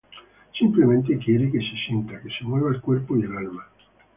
Simplemente quiero que se sienta, que se mueva el cuerpo y el alma.